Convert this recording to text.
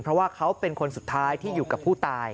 เพราะว่าเขาเป็นคนสุดท้ายที่อยู่กับผู้ตาย